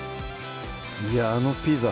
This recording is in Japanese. いやあのピザ